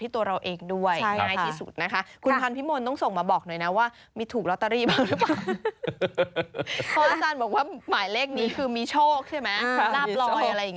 ถูกรู้ค่ะคุณ